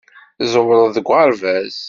Tẓewreḍ deg uɣerbaz.